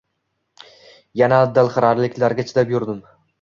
Yana dilxiraliklarga chidab yurdim.